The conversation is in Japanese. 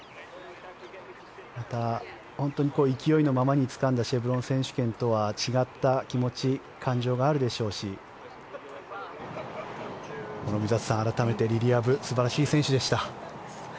本当に勢いのままにつかんだシェブロン選手権とは違った気持ち感情があるでしょうし諸見里さん、改めてリリア・ブ素晴らしいですね。